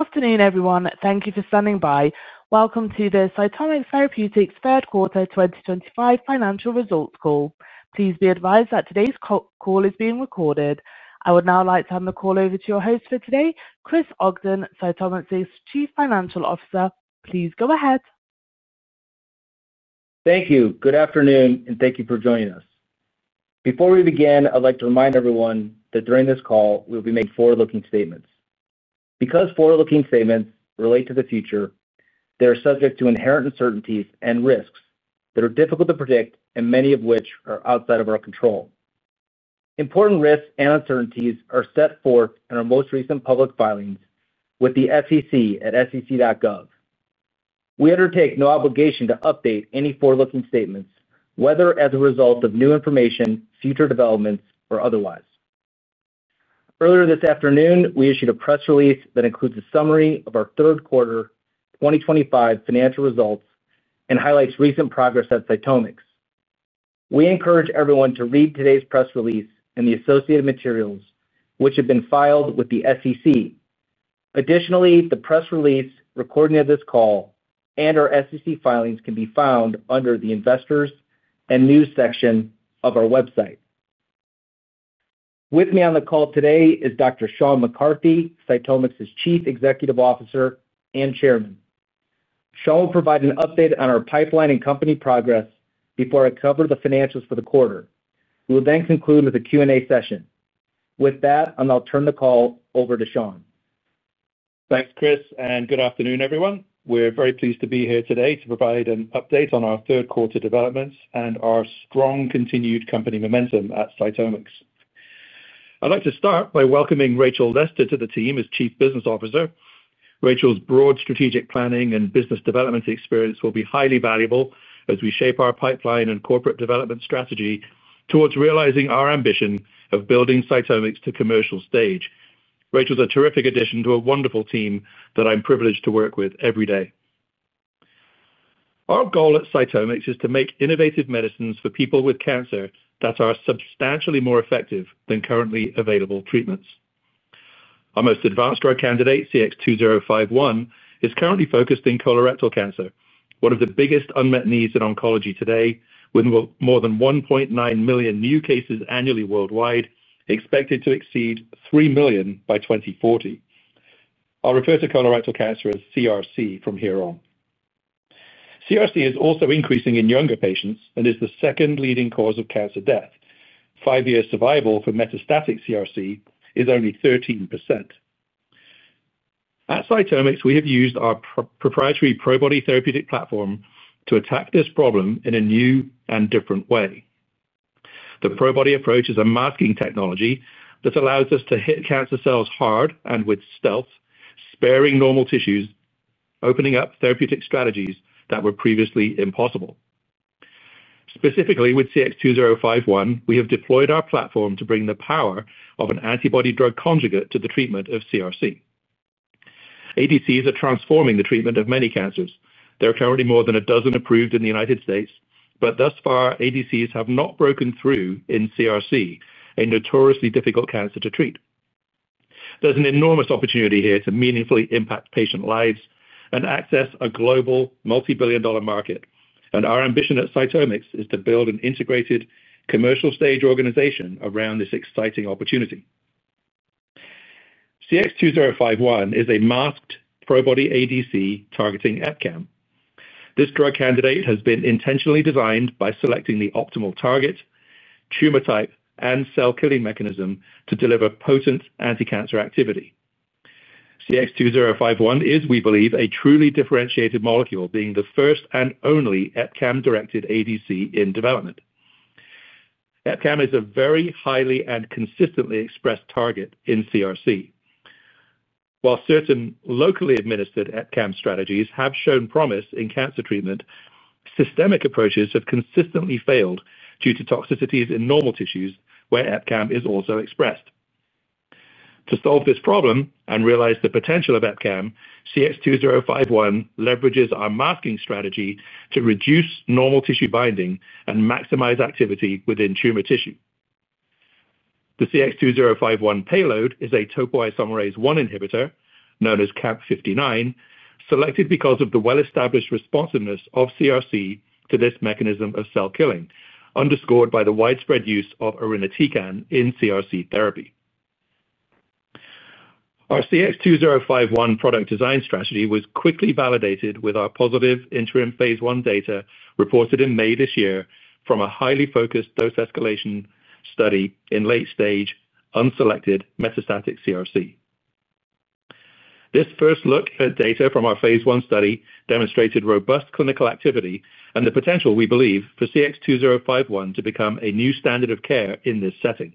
Afternoon, everyone. Thank you for standing by. Welcome to the CytomX Therapeutics third quarter 2025 financial results call. Please be advised that today's call is being recorded. I would now like to hand the call over to your host for today, Chris Ogden, CytomX's Chief Financial Officer. Please go ahead. Thank you. Good afternoon, and thank you for joining us. Before we begin, I'd like to remind everyone that during this call, we'll be making forward-looking statements. Because forward-looking statements relate to the future, they are subject to inherent uncertainties and risks that are difficult to predict, and many of which are outside of our control. Important risks and uncertainties are set forth in our most recent public filings with the SEC at sec.gov. We undertake no obligation to update any forward-looking statements, whether as a result of new information, future developments, or otherwise. Earlier this afternoon, we issued a press release that includes a summary of our third quarter 2025 financial results and highlights recent progress at CytomX. We encourage everyone to read today's press release and the associated materials, which have been filed with the SEC. Additionally, the press release, recording of this call, and our SEC filings can be found under the Investors and News section of our website. With me on the call today is Dr. Sean McCarthy, CytomX's Chief Executive Officer and Chairman. Sean will provide an update on our pipeline and company progress before I cover the financials for the quarter. We will then conclude with a Q&A session. With that, I'll now turn the call over to Sean. Thanks, Chris, and good afternoon, everyone. We're very pleased to be here today to provide an update on our third quarter developments and our strong continued company momentum at CytomX. I'd like to start by welcoming Rachel Lester to the team as Chief Business Officer. Rachel's broad strategic planning and business development experience will be highly valuable as we shape our pipeline and corporate development strategy towards realizing our ambition of building CytomX to commercial stage. Rachel's a terrific addition to a wonderful team that I'm privileged to work with every day. Our goal at CytomX is to make innovative medicines for people with cancer that are substantially more effective than currently available treatments. Our most advanced drug candidate, CX-2051, is currently focused in colorectal cancer, one of the biggest unmet needs in oncology today, with more than 1.9 million new cases annually worldwide, expected to exceed 3 million by 2040. I'll refer to colorectal cancer as CRC from here on. CRC is also increasing in younger patients and is the second leading cause of cancer death. Five-year survival for metastatic CRC is only 13%. At CytomX, we have used our proprietary Probody therapeutic platform to attack this problem in a new and different way. The Probody approach is a masking technology that allows us to hit cancer cells hard and with stealth, sparing normal tissues, opening up therapeutic strategies that were previously impossible. Specifically, with CX-2051, we have deployed our platform to bring the power of an antibody-drug conjugate to the treatment of CRC. ADCs are transforming the treatment of many cancers. There are currently more than a dozen approved in the United States, but thus far, ADCs have not broken through in CRC, a notoriously difficult cancer to treat. There's an enormous opportunity here to meaningfully impact patient lives and access a global multi-billion-dollar market, and our ambition at CytomX is to build an integrated commercial-stage organization around this exciting opportunity. CX-2051 is a masked Probody ADC targeting EpCAM. This drug candidate has been intentionally designed by selecting the optimal target, tumor type, and cell-killing mechanism to deliver potent anti-cancer activity. CX-2051 is, we believe, a truly differentiated molecule, being the first and only EpCAM-directed ADC in development. EpCAM is a very highly and consistently expressed target in CRC. While certain locally administered EpCAM strategies have shown promise in cancer treatment, systemic approaches have consistently failed due to toxicities in normal tissues where EpCAM is also expressed. To solve this problem and realize the potential of EpCAM, CX-2051 leverages our masking strategy to reduce normal tissue binding and maximize activity within tumor tissue. The CX-2051 payload is a topoisomerase I inhibitor, known as CAMP59, selected because of the well-established responsiveness of CRC to this mechanism of cell-killing, underscored by the widespread use of irinotecan in CRC therapy. Our CX-2051 product design strategy was quickly validated with our positive interim phase I data reported in May this year from a highly focused dose escalation study in late-stage, unselected metastatic CRC. This first look at data from our phase I study demonstrated robust clinical activity and the potential, we believe, for CX-2051 to become a new standard of care in this setting.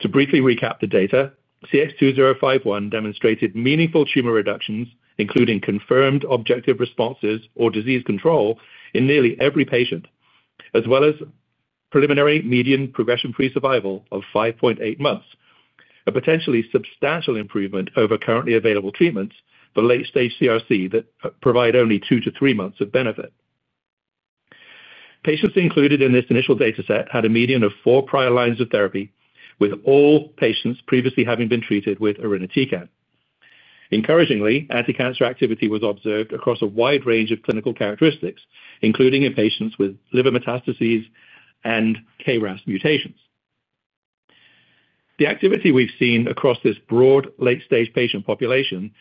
To briefly recap the data, CX-2051 demonstrated meaningful tumor reductions, including confirmed objective responses or disease control in nearly every patient, as well as preliminary median progression-free survival of 5.8 months, a potentially substantial improvement over currently available treatments for late-stage CRC that provide only two to three months of benefit. Patients included in this initial dataset had a median of four prior lines of therapy, with all patients previously having been treated with irinotecan. Encouragingly, anti-cancer activity was observed across a wide range of clinical characteristics, including in patients with liver metastases and KRAS mutations. The activity we've seen across this broad late-stage patient population,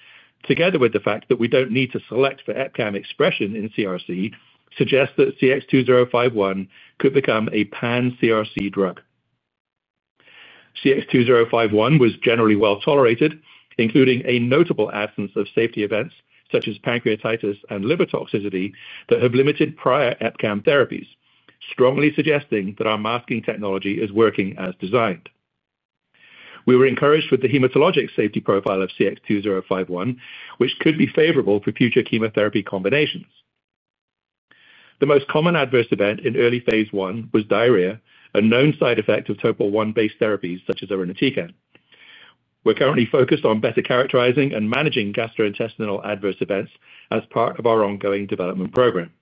together with the fact that we do not need to select for EpCAM expression in CRC, suggests that CX-2051 could become a pan-CRC drug. CX-2051 was generally well tolerated, including a notable absence of safety events such as pancreatitis and liver toxicity that have limited prior EpCAM therapies, strongly suggesting that our masking technology is working as designed. We were encouraged with the hematologic safety profile of CX-2051, which could be favorable for future chemotherapy combinations. The most common adverse event in early phase I was diarrhea, a known side effect of topo-I-based therapies such as irinotecan. We're currently focused on better characterizing and managing gastrointestinal adverse events as part of our ongoing development program.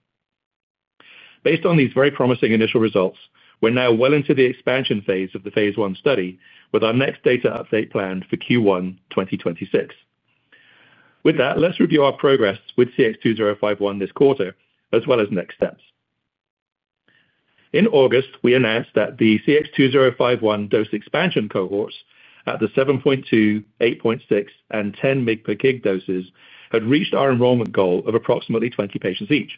Based on these very promising initial results, we're now well into the expansion phase of the phase I study, with our next data update planned for Q1 2026. With that, let's review our progress with CX-2051 this quarter, as well as next steps. In August, we announced that the CX-2051 dose expansion cohorts at the 7.2, 8.6, and 10 mg/kg doses had reached our enrollment goal of approximately 20 patients each.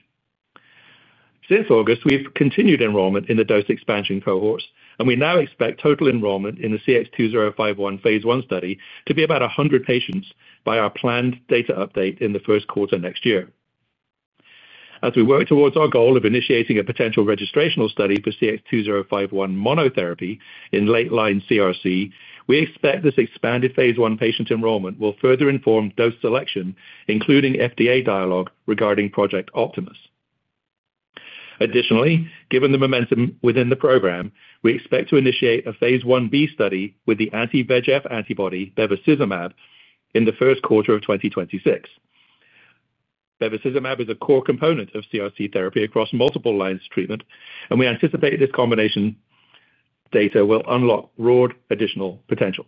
Since August, we've continued enrollment in the dose expansion cohorts, and we now expect total enrollment in the CX-2051 phase I study to be about 100 patients by our planned data update in the first quarter next year. As we work towards our goal of initiating a potential registrational study for CX-2051 monotherapy in late-line CRC, we expect this expanded phase I patient enrollment will further inform dose selection, including FDA dialogue regarding Project Optimus. Additionally, given the momentum within the program, we expect to initiate a phase IB study with the anti-VEGF antibody Bevacizumab in the first quarter of 2026. Bevacizumab is a core component of CRC therapy across multiple lines of treatment, and we anticipate this combination. Data will unlock broad additional potential.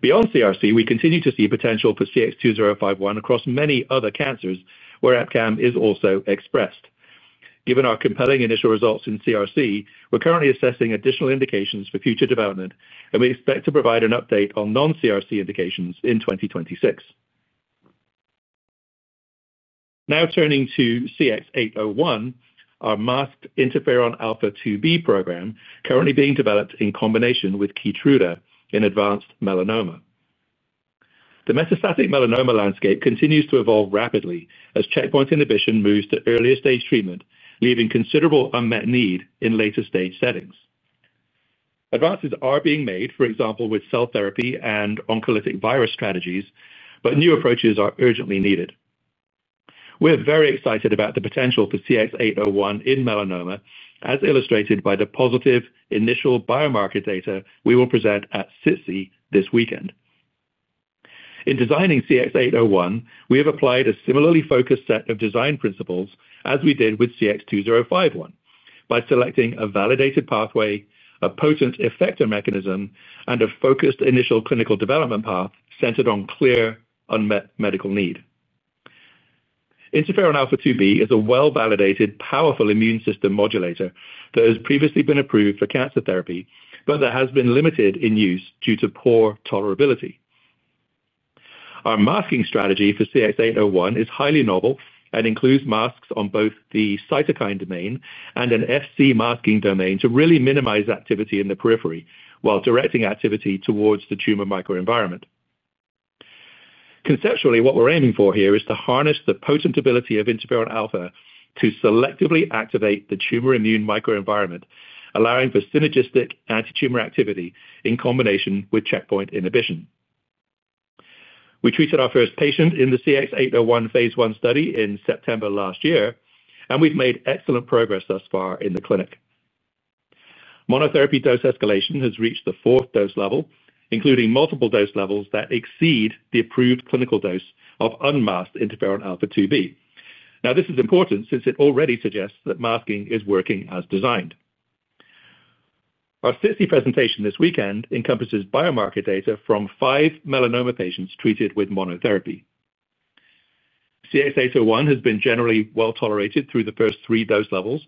Beyond CRC, we continue to see potential for CX-2051 across many other cancers where EpCAM is also expressed. Given our compelling initial results in CRC, we're currently assessing additional indications for future development, and we expect to provide an update on non-CRC indications in 2026. Now turning to CX-801, our masked interferon alpha-2b program currently being developed in combination with Keytruda in advanced melanoma. The metastatic melanoma landscape continues to evolve rapidly as checkpoint inhibition moves to earlier-stage treatment, leaving considerable unmet need in later-stage settings. Advances are being made, for example, with cell therapy and oncolytic virus strategies, but new approaches are urgently needed. We're very excited about the potential for CX-801 in melanoma, as illustrated by the positive initial biomarker data we will present at SITC this weekend. In designing CX-801, we have applied a similarly focused set of design principles as we did with CX-2051, by selecting a validated pathway, a potent effector mechanism, and a focused initial clinical development path centered on clear unmet medical need. Interferon alpha-2b is a well-validated, powerful immune system modulator that has previously been approved for cancer therapy, but that has been limited in use due to poor tolerability. Our masking strategy for CX-801 is highly novel and includes masks on both the cytokine domain and an Fc masking domain to really minimize activity in the periphery while directing activity towards the tumor microenvironment. Conceptually, what we're aiming for here is to harness the potent ability of interferon alpha to selectively activate the tumor immune microenvironment, allowing for synergistic anti-tumor activity in combination with checkpoint inhibition. We treated our first patient in the CX-801 phase I study in September last year, and we've made excellent progress thus far in the clinic. Monotherapy dose escalation has reached the fourth dose level, including multiple dose levels that exceed the approved clinical dose of unmasked interferon alpha-2b. Now, this is important since it already suggests that masking is working as designed. Our SITC presentation this weekend encompasses biomarker data from five melanoma patients treated with monotherapy. CX-801 has been generally well tolerated through the first three dose levels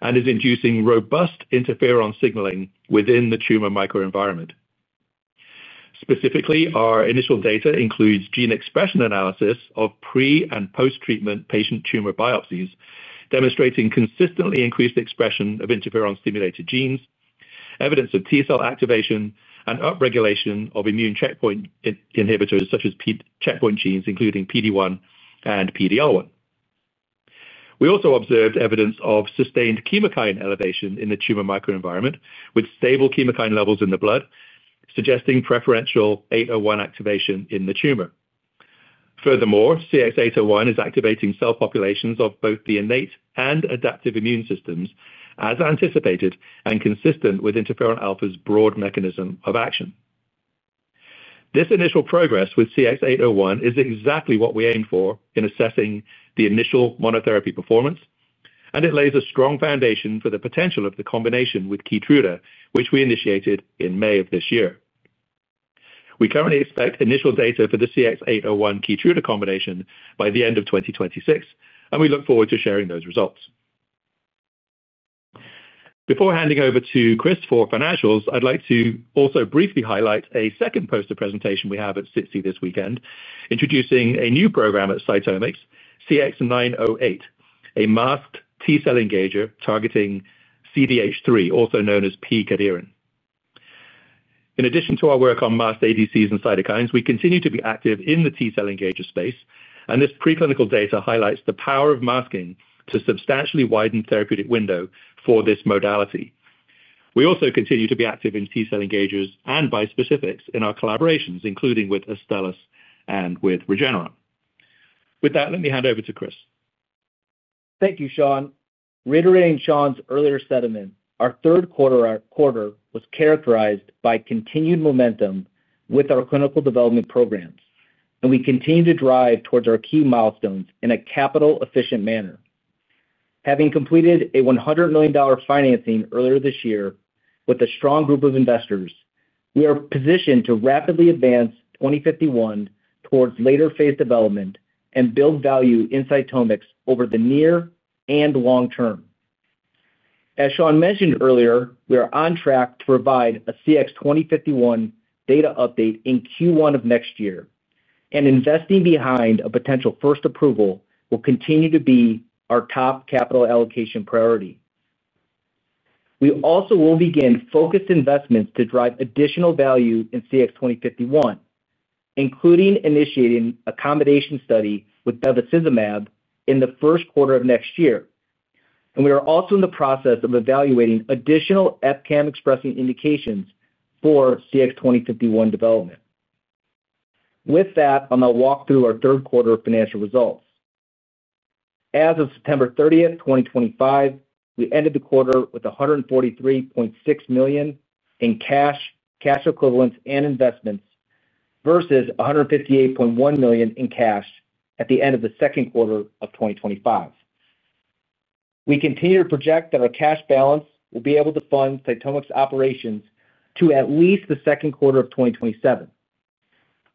and is inducing robust interferon signaling within the tumor microenvironment. Specifically, our initial data includes gene expression analysis of pre- and post-treatment patient tumor biopsies, demonstrating consistently increased expression of interferon-stimulated genes, evidence of T cell activation, and upregulation of immune checkpoint inhibitors such as checkpoint genes, including PD-1 and PD-L1. We also observed evidence of sustained chemokine elevation in the tumor microenvironment with stable chemokine levels in the blood, suggesting preferential 801 activation in the tumor. Furthermore, CX-801 is activating cell populations of both the innate and adaptive immune systems, as anticipated and consistent with interferon alpha's broad mechanism of action. This initial progress with CX-801 is exactly what we aim for in assessing the initial monotherapy performance, and it lays a strong foundation for the potential of the combination with Keytruda, which we initiated in May of this year. We currently expect initial data for the CX-801-Keytruda combination by the end of 2026, and we look forward to sharing those results. Before handing over to Chris for financials, I'd like to also briefly highlight a second poster presentation we have at SITC this weekend, introducing a new program at CytomX, CX-908, a masked T cell engager targeting CDH3, also known as P-cadherin. In addition to our work on masked ADCs and cytokines, we continue to be active in the T cell engager space, and this preclinical data highlights the power of masking to substantially widen the therapeutic window for this modality. We also continue to be active in T cell engagers and bispecifics in our collaborations, including with Astellas and with Regeneron. With that, let me hand over to Chris. Thank you, Sean. Reiterating Sean's earlier sentiment, our third quarter was characterized by continued momentum with our clinical development programs, and we continue to drive towards our key milestones in a capital-efficient manner. Having completed a $100 million financing earlier this year with a strong group of investors, we are positioned to rapidly advance 2051 towards later-phase development and build value in CytomX over the near and long term. As Sean mentioned earlier, we are on track to provide a CX-2051 data update in Q1 of next year, and investing behind a potential first approval will continue to be our top capital allocation priority. We also will begin focused investments to drive additional value in CX-2051, including initiating a combination study with Bevacizumab in the first quarter of next year, and we are also in the process of evaluating additional EpCAM-expressing indications for CX-2051 development. With that, I'm going to walk through our third quarter financial results. As of September 30, 2025, we ended the quarter with $143.6 million in cash, cash equivalents, and investments versus $158.1 million in cash at the end of the second quarter of 2025. We continue to project that our cash balance will be able to fund CytomX operations to at least the second quarter of 2027.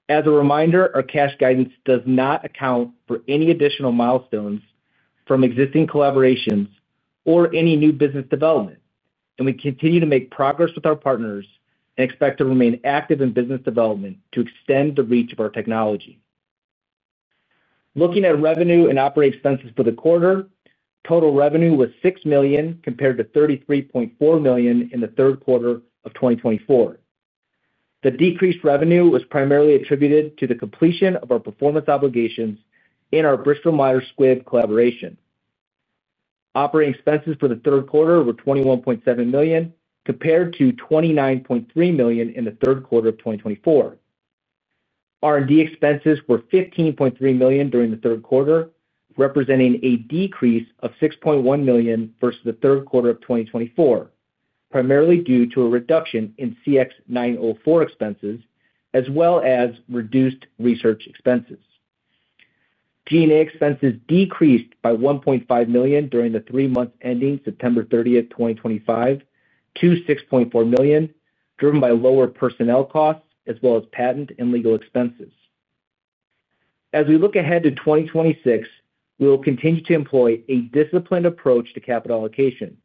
As a reminder, our cash guidance does not account for any additional milestones from existing collaborations or any new business development, and we continue to make progress with our partners and expect to remain active in business development to extend the reach of our technology. Looking at revenue and operating expenses for the quarter, total revenue was $6 million compared to $33.4 million in the third quarter of 2024. The decreased revenue was primarily attributed to the completion of our performance obligations in our Bristol Myers Squibb collaboration. Operating expenses for the third quarter were $21.7 million compared to $29.3 million in the third quarter of 2024. R&D expenses were $15.3 million during the third quarter, representing a decrease of $6.1 million versus the third quarter of 2024, primarily due to a reduction in CX-904 expenses as well as reduced research expenses. G&A expenses decreased by $1.5 million during the three months ending September 30, 2025, to $6.4 million, driven by lower personnel costs as well as patent and legal expenses. As we look ahead to 2026, we will continue to employ a disciplined approach to capital allocation,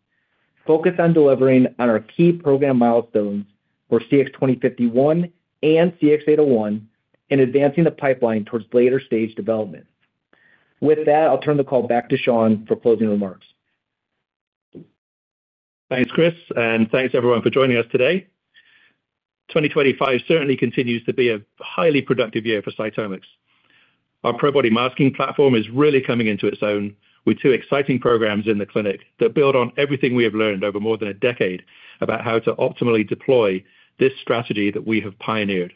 focused on delivering on our key program milestones for CX-2051 and CX-801 and advancing the pipeline towards later-stage development. With that, I'll turn the call back to Sean for closing remarks. Thanks, Chris, and thanks everyone for joining us today. 2025 certainly continues to be a highly productive year for CytomX. Our Probody masking platform is really coming into its own with two exciting programs in the clinic that build on everything we have learned over more than a decade about how to optimally deploy this strategy that we have pioneered.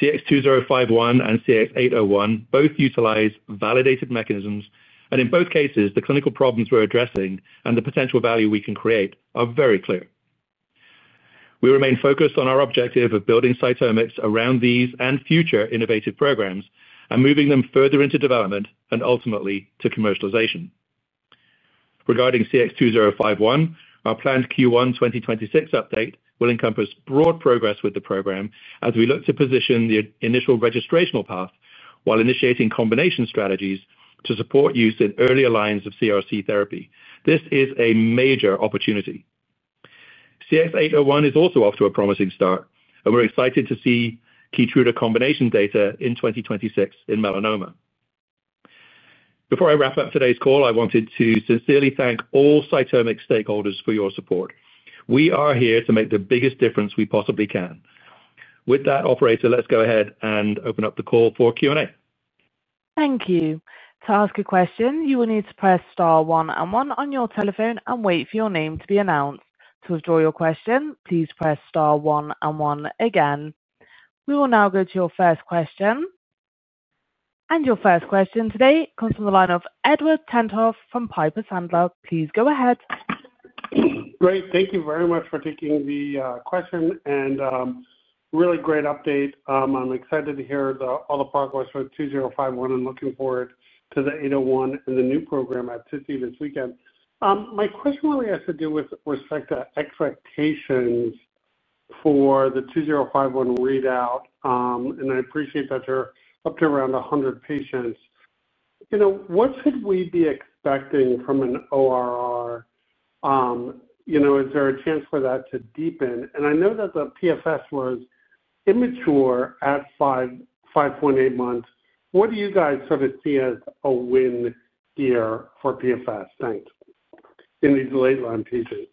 CX-2051 and CX-801 both utilize validated mechanisms, and in both cases, the clinical problems we're addressing and the potential value we can create are very clear. We remain focused on our objective of building CytomX around these and future innovative programs and moving them further into development and ultimately to commercialization. Regarding CX-2051, our planned Q1 2026 update will encompass broad progress with the program as we look to position the initial registrational path while initiating combination strategies to support use in earlier lines of CRC therapy. This is a major opportunity. CX-801 is also off to a promising start, and we're excited to see Keytruda combination data in 2026 in melanoma. Before I wrap up today's call, I wanted to sincerely thank all CytomX stakeholders for your support. We are here to make the biggest difference we possibly can. With that, Operator, let's go ahead and open up the call for Q&A. Thank you. To ask a question, you will need to press star one and one on your telephone and wait for your name to be announced. To withdraw your question, please press star one and one again. We will now go to your first question. Your first question today comes from the line of Edward Tenthoff from Piper Sandler. Please go ahead. Great. Thank you very much for taking the question and. Really great update. I'm excited to hear all the progress for 2051 and looking forward to the 801 and the new program at SITC this weekend. My question really has to do with respect to expectations for the 2051 readout, and I appreciate that you're up to around 100 patients. What should we be expecting from an ORR? Is there a chance for that to deepen? I know that the PFS was immature at 5.8 months. What do you guys sort of see as a win here for PFS? Thanks. In these late-line patients.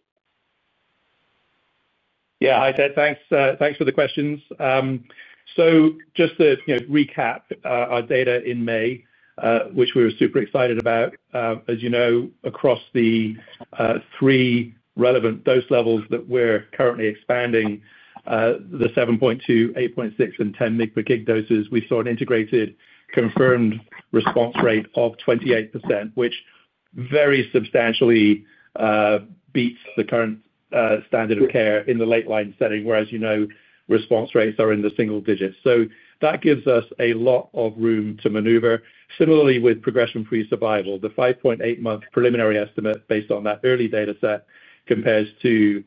Yeah. Thanks for the questions. Just to recap our data in May, which we were super excited about, as you know, across the three relevant dose levels that we're currently expanding, the 7.2, 8.6, and 10 mcg doses, we saw an integrated confirmed response rate of 28%, which very substantially. Beats the current standard of care in the late-line setting, whereas response rates are in the single digits. That gives us a lot of room to maneuver. Similarly, with progression-free survival, the 5.8-month preliminary estimate based on that early data set compares to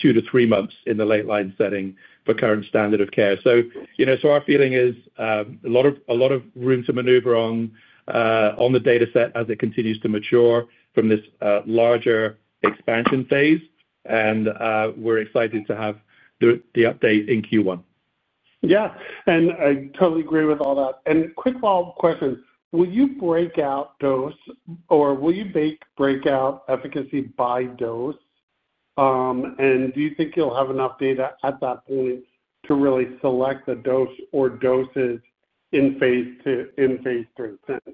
two to three months in the late-line setting for current standard of care. Our feeling is a lot of room to maneuver on the data set as it continues to mature from this larger expansion phase, and we're excited to have the update in Q1. Yeah. I totally agree with all that. Quick follow-up question. Will you break out dose, or will you break out efficacy by dose? Do you think you'll have enough data at that point to really select the dose or doses in phase III? Thanks.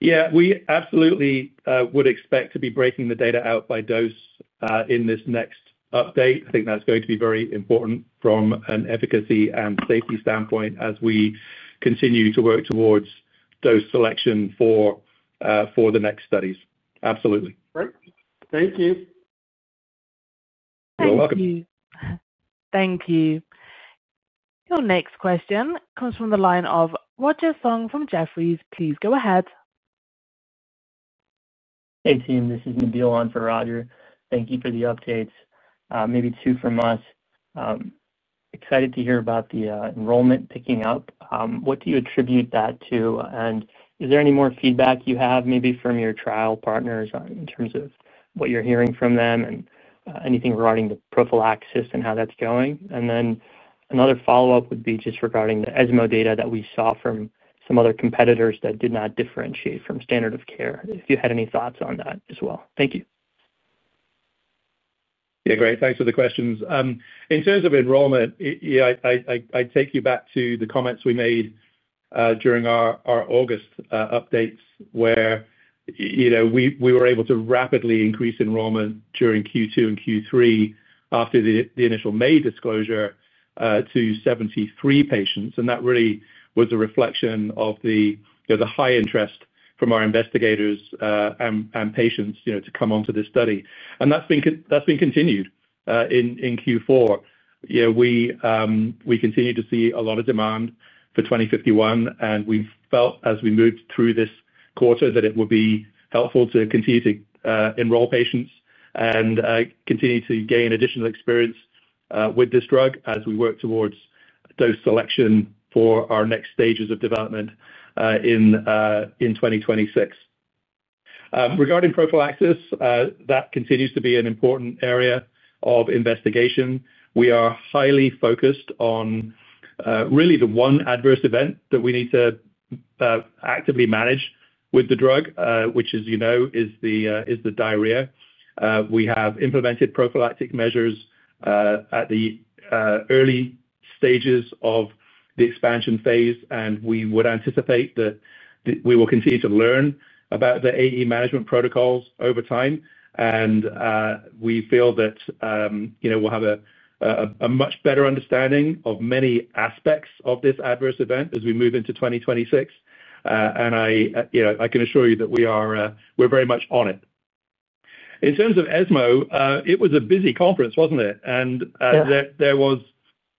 Yeah. We absolutely would expect to be breaking the data out by dose in this next update. I think that's going to be very important from an efficacy and safety standpoint as we continue to work towards dose selection for the next studies. Absolutely. Great. Thank you. You're welcome. Thank you. Your next question comes from the line of Roger Song from Jefferies. Please go ahead. Hey, team. This is Nabeel on for Roger. Thank you for the updates. Maybe two from us. Excited to hear about the enrollment picking up. What do you attribute that to? And is there any more feedback you have maybe from your trial partners in terms of what you're hearing from them and anything regarding the prophylaxis and how that's going? Another follow-up would be just regarding the ESMO data that we saw from some other competitors that did not differentiate from standard of care. If you had any thoughts on that as well. Thank you. Yeah. Great. Thanks for the questions. In terms of enrollment, I take you back to the comments we made during our August updates where we were able to rapidly increase enrollment during Q2 and Q3 after the initial May disclosure to 73 patients. That really was a reflection of the high interest from our investigators and patients to come onto this study. That has been continued in Q4. We continue to see a lot of demand for 2051, and we felt, as we moved through this quarter, that it would be helpful to continue to enroll patients and continue to gain additional experience with this drug as we work towards dose selection for our next stages of development in 2026. Regarding prophylaxis, that continues to be an important area of investigation. We are highly focused on really the one adverse event that we need to actively manage with the drug, which, as you know, is the diarrhea. We have implemented prophylactic measures at the early stages of the expansion phase, and we would anticipate that we will continue to learn about the AE management protocols over time. We feel that we'll have a much better understanding of many aspects of this adverse event as we move into 2026. I can assure you that we're very much on it. In terms of ESMO, it was a busy conference, wasn't it? There was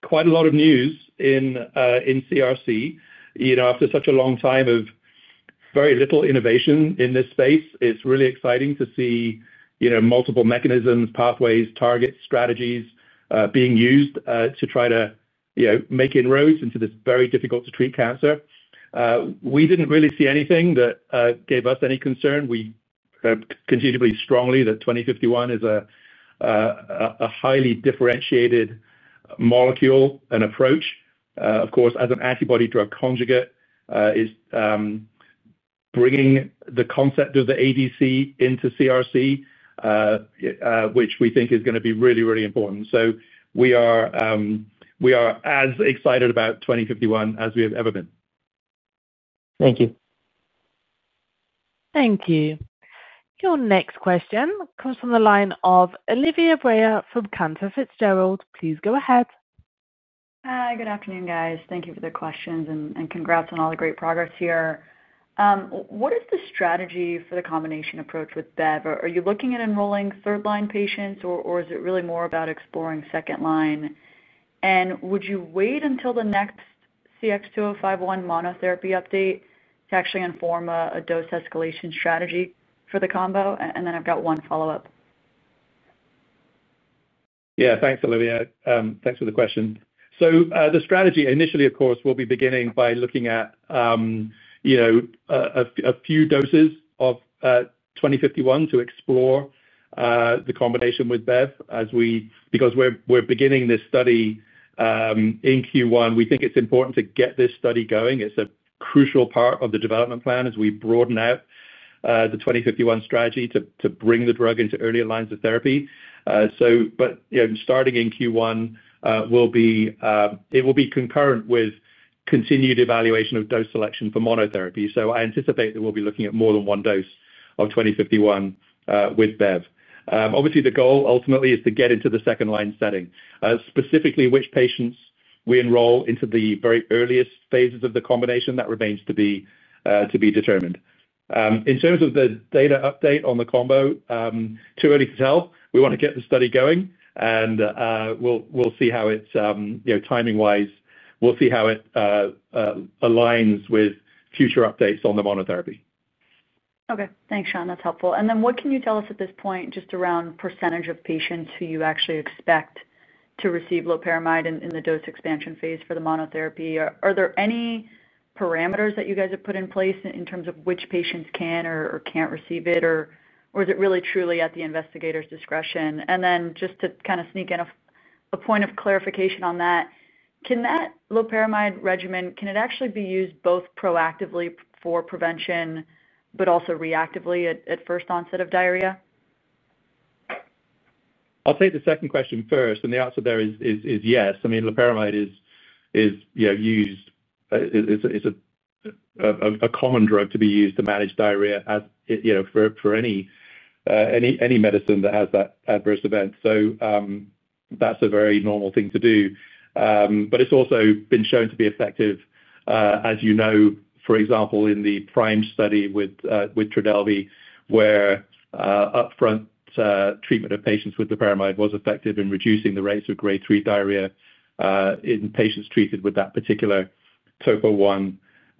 quite a lot of news in CRC. After such a long time of very little innovation in this space, it's really exciting to see multiple mechanisms, pathways, targets, strategies being used to try to make inroads into this very difficult-to-treat cancer. We didn't really see anything that gave us any concern. We continued to believe strongly that 2051 is a highly differentiated molecule and approach. Of course, as an antibody-drug conjugate, bringing the concept of the ADC into CRC, which we think is going to be really, really important. We are as excited about 2051 as we have ever been. Thank you. Thank you. Your next question comes from the line of Olivia Breyer from Cantor Fitzgerald. Please go ahead. Hi. Good afternoon, guys. Thank you for the questions, and congrats on all the great progress here. What is the strategy for the combination approach with Bev? Are you looking at enrolling third-line patients, or is it really more about exploring second line? Would you wait until the next CX-2051 monotherapy update to actually inform a dose escalation strategy for the combo? I have one follow-up. Yeah. Thanks, Olivia. Thanks for the question. The strategy, initially, of course, we'll be beginning by looking at a few doses of 2051 to explore the combination with Bev because we're beginning this study in Q1. We think it's important to get this study going. It's a crucial part of the development plan as we broaden out the 2051 strategy to bring the drug into earlier lines of therapy. Starting in Q1, it will be concurrent with continued evaluation of dose selection for monotherapy. I anticipate that we'll be looking at more than one dose of 2051 with Bevacizumab. Obviously, the goal ultimately is to get into the second-line setting. Specifically, which patients we enroll into the very earliest phases of the combination, that remains to be determined. In terms of the data update on the combo, too early to tell. We want to get the study going, and we'll see how it's timing-wise. We'll see how it aligns with future updates on the monotherapy. Okay. Thanks, Sean. That's helpful. What can you tell us at this point just around percentage of patients who you actually expect to receive loperamide in the dose expansion phase for the monotherapy? Are there any parameters that you guys have put in place in terms of which patients can or can't receive it, or is it really truly at the investigator's discretion? And then just to kind of sneak in a point of clarification on that. Can that loperamide regimen, can it actually be used both proactively for prevention but also reactively at first onset of diarrhea? I'll take the second question first, and the answer there is yes. I mean, loperamide is used. It's a common drug to be used to manage diarrhea for any medicine that has that adverse event. That is a very normal thing to do. It's also been shown to be effective, as you know, for example, in the PRIME study with Trodelvy, where upfront treatment of patients with loperamide was effective in reducing the rates of grade 3 diarrhea in patients treated with that particular Topo I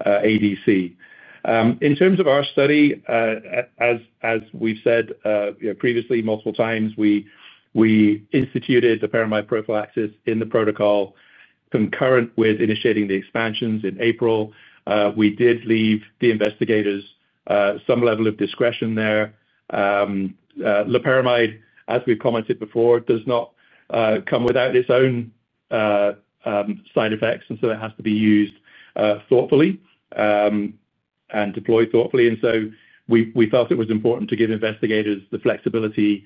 ADC. In terms of our study. As we've said previously multiple times, we instituted loperamide prophylaxis in the protocol concurrent with initiating the expansions in April. We did leave the investigators some level of discretion there. Loperamide, as we've commented before, does not come without its own side effects, and so it has to be used thoughtfully and deployed thoughtfully. We felt it was important to give investigators the flexibility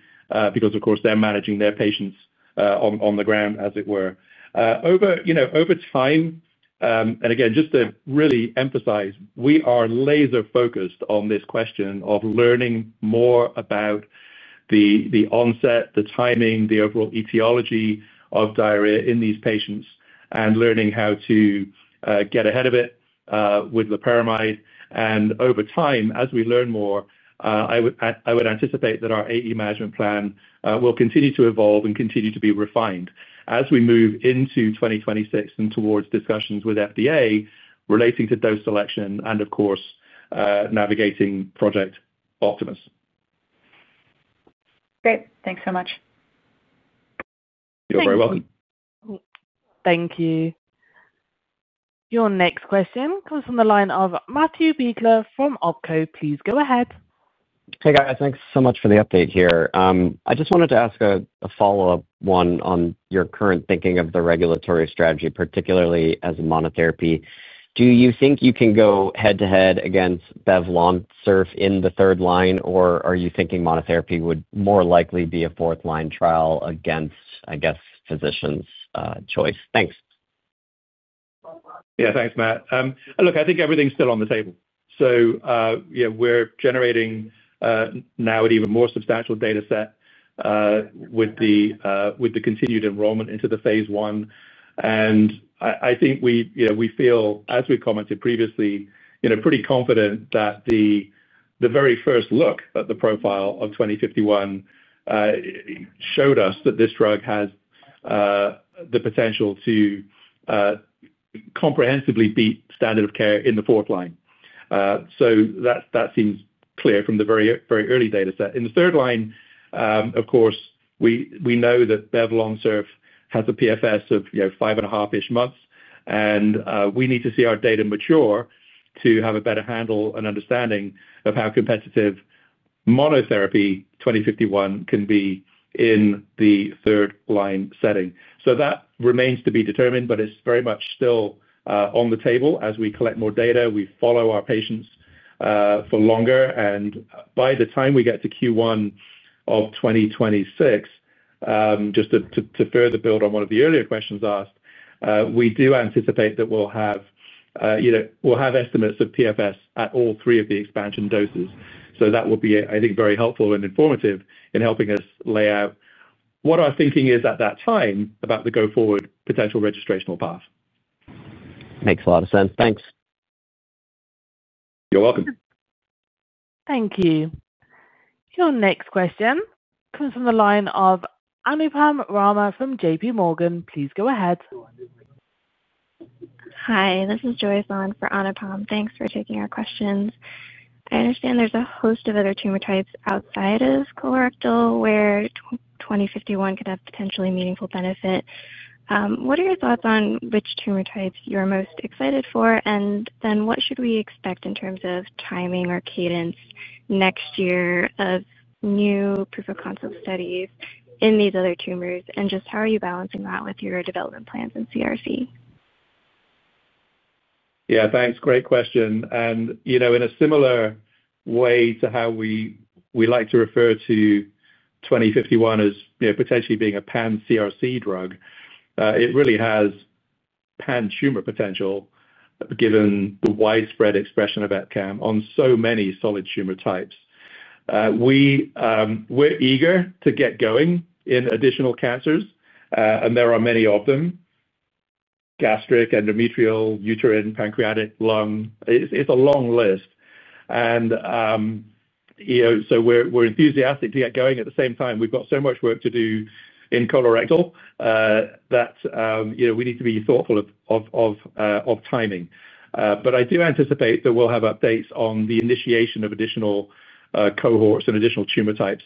because, of course, they're managing their patients on the ground, as it were. Over time, and again, just to really emphasize, we are laser-focused on this question of learning more about the onset, the timing, the overall etiology of diarrhea in these patients, and learning how to get ahead of it with loperamide. Over time, as we learn more, I would anticipate that our AE management plan will continue to evolve and continue to be refined as we move into 2026 and towards discussions with FDA relating to dose selection and, of course, navigating Project Optimus. Great. Thanks so much. You're very welcome. Thank you. Your next question comes from the line of Matthew Biegler from OPCO. Please go ahead. Hey, guys. Thanks so much for the update here. I just wanted to ask a follow-up one on your current thinking of the regulatory strategy, particularly as a monotherapy. Do you think you can go head-to-head against Bev Lonsurf in the third line, or are you thinking monotherapy would more likely be a fourth-line trial against, I guess, physicians' choice? Thanks. Yeah. Thanks, Matt. Look, I think everything's still on the table. We're generating now an even more substantial data set. With the continued enrollment into the phase I, I think we feel, as we commented previously, pretty confident that the very first look at the profile of 2051 showed us that this drug has the potential to comprehensively beat standard of care in the fourth line. That seems clear from the very early data set. In the third line, of course, we know that Bev Lonsurf has a PFS of 5.5-ish months, and we need to see our data mature to have a better handle and understanding of how competitive monotherapy 2051 can be in the third-line setting. That remains to be determined, but it's very much still on the table as we collect more data. We follow our patients for longer, and by the time we get to Q1 of 2026. Just to further build on one of the earlier questions asked, we do anticipate that we'll have estimates of PFS at all three of the expansion doses. That will be, I think, very helpful and informative in helping us lay out what our thinking is at that time about the go-forward potential registrational path. Makes a lot of sense. Thanks. You're welcome. Thank you. Your next question comes from the line of Anupam Rama from JPMorgan. Please go ahead. Hi. This is Joyce on for Anupam. Thanks for taking our questions. I understand there's a host of other tumor types outside of colorectal where 2051 could have potentially meaningful benefit. What are your thoughts on which tumor types you're most excited for? What should we expect in terms of timing or cadence next year of new proof-of-concept studies in these other tumors? How are you balancing that with your development plans in CRC? Yeah. Thanks. Great question. In a similar way to how we like to refer to 2051 as potentially being a pan-CRC drug, it really has pan-tumor potential given the widespread expression of EpCAM on so many solid tumor types. We're eager to get going in additional cancers, and there are many of them: gastric, endometrial, uterine, pancreatic, lung. It's a long list. We're enthusiastic to get going. At the same time, we've got so much work to do in colorectal that we need to be thoughtful of timing. I do anticipate that we'll have updates on the initiation of additional cohorts and additional tumor types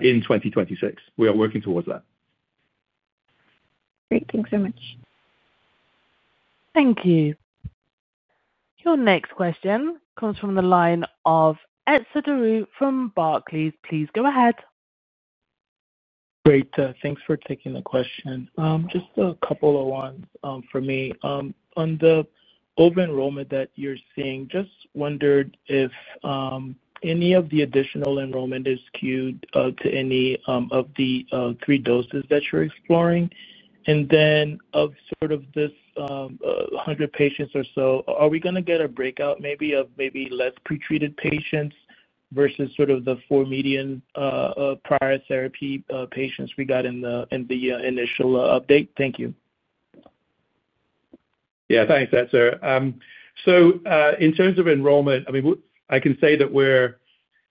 in 2026. We are working towards that. Great. Thanks so much. Thank you. Your next question comes from the line of Etzer Darout from Barclays. Please go ahead. Great. Thanks for taking the question. Just a couple of ones for me. On the over-enrollment that you're seeing, just wondered if any of the additional enrollment is skewed to any of the three doses that you're exploring. And then of sort of this 100 patients or so, are we going to get a breakout maybe of maybe less pretreated patients versus sort of the four median prior therapy patients we got in the initial update? Thank you. Yeah. Thanks, Etzer. In terms of enrollment, I mean, I can say that we're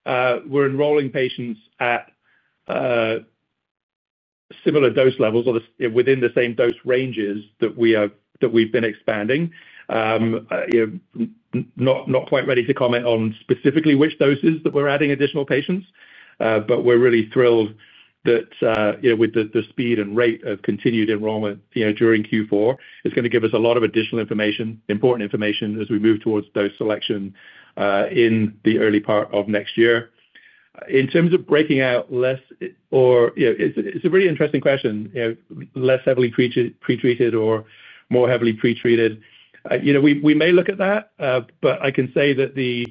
enrolling patients at similar dose levels or within the same dose ranges that we've been expanding. Not quite ready to comment on specifically which doses that we're adding additional patients, but we're really thrilled that. With the speed and rate of continued enrollment during Q4, it's going to give us a lot of additional information, important information as we move towards those selections in the early part of next year. In terms of breaking out less, or it's a really interesting question, less heavily pretreated or more heavily pretreated. We may look at that, but I can say that the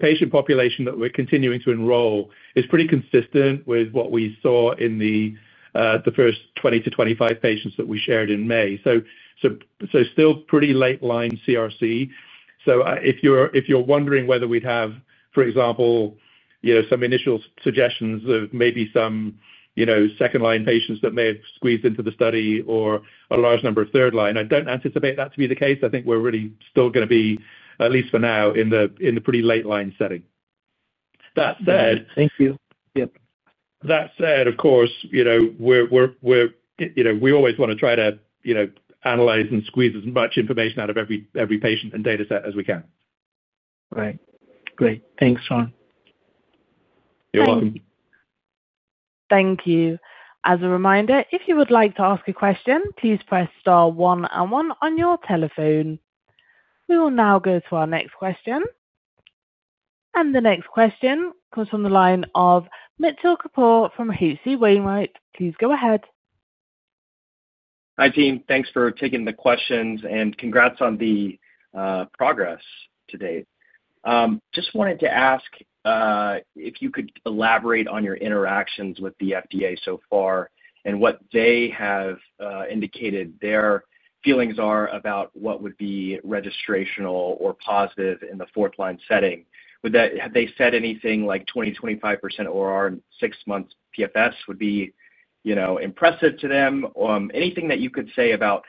patient population that we're continuing to enroll is pretty consistent with what we saw in the first 20 patients-25 patients that we shared in May. Still pretty late-line CRC. If you're wondering whether we'd have, for example, some initial suggestions of maybe some second-line patients that may have squeezed into the study or a large number of third-line, I don't anticipate that to be the case. I think we're really still going to be, at least for now, in the pretty late-line setting. Thank you. Yep. That said, of course, we always want to try to analyze and squeeze as much information out of every patient and data set as we can. Right. Great. Thanks, Sean. You're welcome. Thank you. As a reminder, if you would like to ask a question, please press star one and one on your telephone. We will now go to our next question. The next question comes from the line of Mitchell Kapoor from H.C. Wainwright. Please go ahead. Hi, team. Thanks for taking the questions, and congrats on the progress to date. Just wanted to ask if you could elaborate on your interactions with the FDA so far and what they have indicated their feelings are about what would be registrational or positive in the fourth-line setting. Have they said anything like 20%-25% ORR and six-month PFS would be impressive to them? Anything that you could say about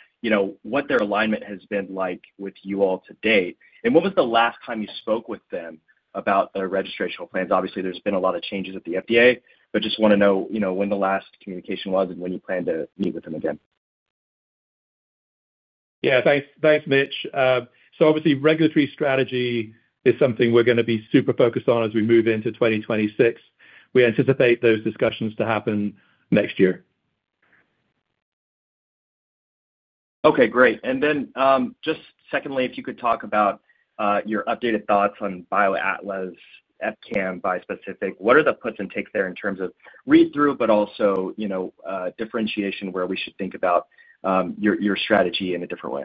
what their alignment has been like with you all to date? What was the last time you spoke with them about the registrational plans? Obviously, there's been a lot of changes at the FDA, but just want to know when the last communication was and when you plan to meet with them again. Yeah. Thanks, Mitch. Obviously, regulatory strategy is something we're going to be super focused on as we move into 2026. We anticipate those discussions to happen next year. Okay. Great. Then just secondly, if you could talk about your updated thoughts on BioAtla's EpCAM bispecific. What are the puts and takes there in terms of read-through, but also differentiation where we should think about your strategy in a different way?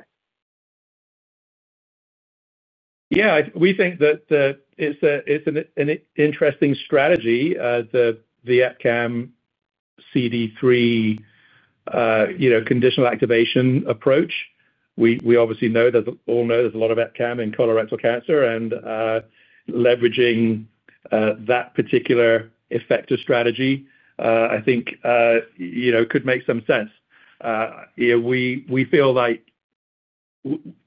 Yeah. We think that it's an interesting strategy, the EpCAM CD3 conditional activation approach. We obviously know that all know there's a lot of EpCAM in colorectal cancer, and leveraging that particular effective strategy, I think, could make some sense. We feel like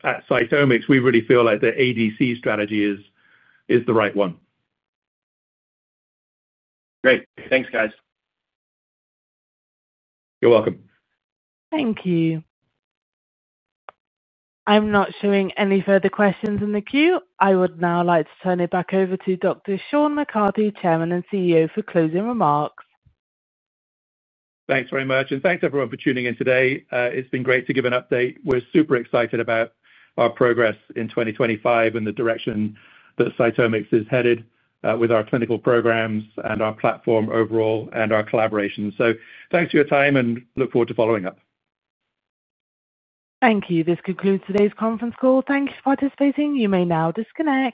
at CytomX, we really feel like the ADC strategy is the right one. Great. Thanks, guys. You're welcome. Thank you. I'm not showing any further questions in the queue. I would now like to turn it back over to Dr. Sean McCarthy, Chairman and CEO, for closing remarks. Thanks very much. And thanks, everyone, for tuning in today. It's been great to give an update. We're super excited about our progress in 2025 and the direction that CytomX is headed with our clinical programs and our platform overall and our collaboration. Thanks for your time, and look forward to following up. Thank you. This concludes today's conference call. Thank you for participating. You may now disconnect.